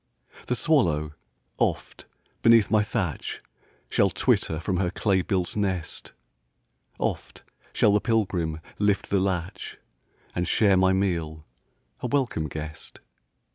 The swallow, oft, beneath my thatch, Shall twitter from her clay built nest; Oft shall the pilgrim lift the latch, And share my meal, a welcome guest.